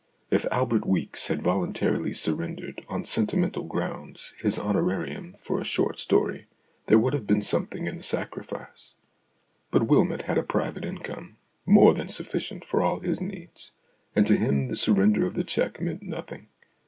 If Albert Weeks had voluntarily surrendered, on sentimental grounds, his honorarium for a short story, there would have been something in the sacrifice. But Wylmot had a private income, more than sufficient for all his needs, and to him the surrender of the cheque meant nothing.